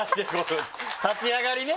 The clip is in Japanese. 立ち上がりね！